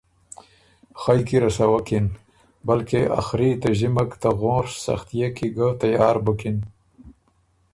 خئ کی رسوَکِن بلکې ا خري ته ݫِمک ته غونڒ سختيې کی ګۀ تیار بُکِن،